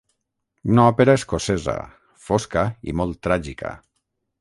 Una òpera escocesa, fosca i molt tràgica.